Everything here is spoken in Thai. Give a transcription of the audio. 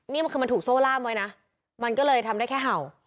นี่คือมันถูกโซ่ล่ามไว้นะมันก็เลยทำได้แค่เห่า